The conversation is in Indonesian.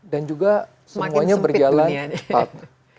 dan juga semuanya berjalan cepat